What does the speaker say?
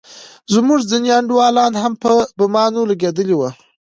زموږ ځينې انډيولان هم په بمانو لگېدلي وو.